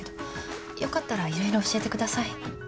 よかったら色々教えてください。